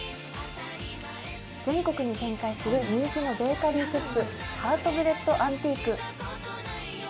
全国に展開する人気のベーカリーショップ、ハートブレッドアンティーク。